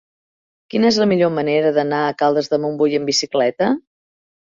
Quina és la millor manera d'anar a Caldes de Montbui amb bicicleta?